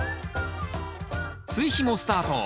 追肥もスタート。